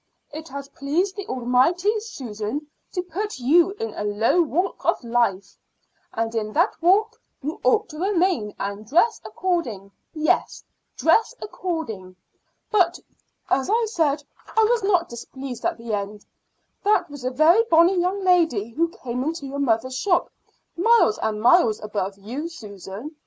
It has pleased the Almighty, Susan, to put you in a low walk of life, and in that walk you ought to remain, and dress according yes, dress according. But, as I said, I was not displeased at the end. That was a very bonny young lady who came into your mother's shop miles and miles above you, Susan.